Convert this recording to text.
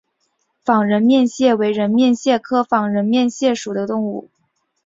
仿人面蟹为人面蟹科仿人面蟹属的动物。